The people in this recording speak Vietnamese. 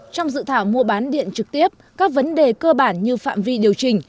trong dự thảo mua bán điện trực tiếp các vấn đề cơ bản như phạm vi điều chỉnh